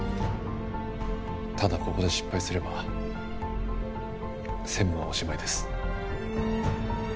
ただここで失敗すれば専務はおしまいです。